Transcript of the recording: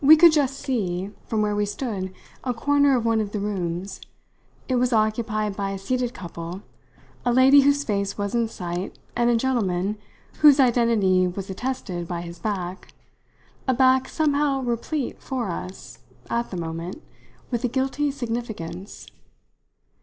We could just see, from where we stood, a corner of one of the rooms. It was occupied by a seated couple, a lady whose face was in sight and a gentleman whose identity was attested by his back, a back somehow replete for us, at the moment, with a guilty significance.